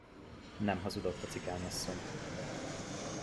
Nem hazudott a cigányasszony.